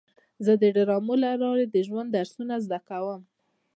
زه د ډرامو له لارې د ژوند درسونه زده کوم.